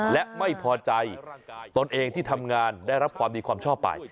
และไม่พอใจตนเองที่ทำงานได้รับความดีความชอบไป